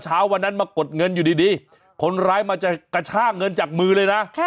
เช้าวันนั้นมากดเงินอยู่ดีคนร้ายมาจะกระชากเงินจากมือเลยนะ